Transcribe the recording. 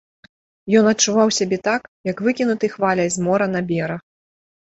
Ён адчуваў сябе так, як выкінуты хваляй з мора на бераг.